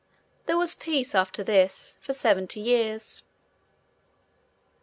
There was peace, after this, for seventy years.